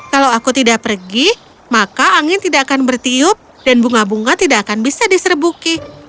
kalau aku tidak pergi maka angin tidak akan bertiup dan bunga bunga tidak akan bisa diserbuki